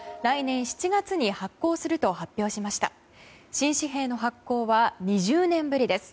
新紙幣の発行は２０年ぶりです。